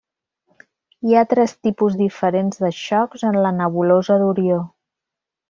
Hi ha tres tipus diferents de xocs en la nebulosa d'Orió.